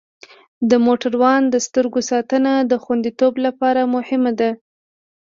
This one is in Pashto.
د موټروان د سترګو ساتنه د خوندیتوب لپاره مهمه ده.